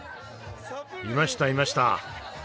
いましたいました。